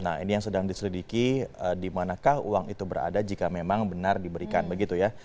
nah ini yang sedang diselidiki dimanakah uang itu berada jika memang benar diberikan begitu ya